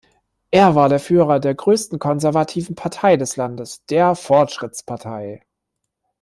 Er war der Führer der größten konservativen Partei des Landes, der "Fortschrittspartei".